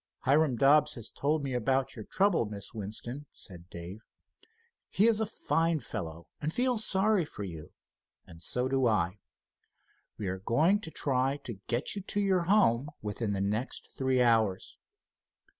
"Hiram Dobbs has told me about your trouble, Miss Winston," said Dave. "He is a fine fellow and feels sorry for you, and so do I. We are going to try and get you to your home within the next three hours."